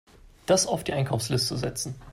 Das auf die Einkaufsliste setzen.